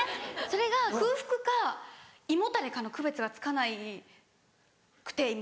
それが空腹か胃もたれかの区別がつかなくて今。